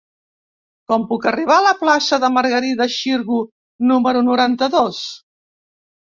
Com puc arribar a la plaça de Margarida Xirgu número noranta-dos?